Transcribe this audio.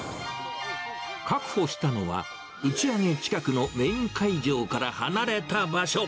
確保したのは、打ち上げ近くのメイン会場から離れた場所。